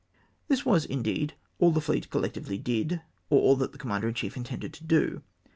This was, indeed, all that the fleet collectively did, or that the commander in chief intended it to do.